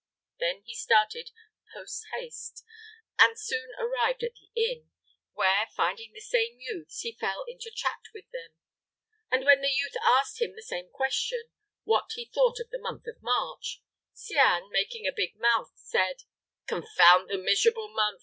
Then he started post haste, and soon arrived at the inn, where, finding the same youths, he fell into chat with them. And when the youth asked him the same question, what he thought of the month of March, Cianne, making a big mouth, said: "Confound the miserable month!